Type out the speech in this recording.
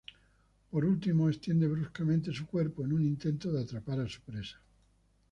Por último, extiende bruscamente su cuerpo en un intento de atrapar a su presa.